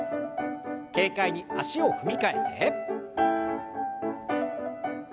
軽快に足を踏み替えて。